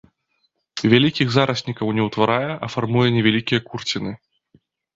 Вялікіх зараснікаў не ўтварае, а фармуе невялікія курціны.